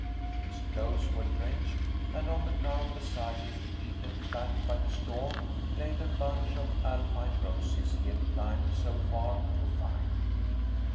His clothes were drenched, and on the ground beside him, beaten flat by the storm, lay the bunch of Alpine roses he had climbed so far to find.